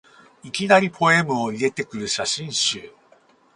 いきなりポエムを入れてくる写真集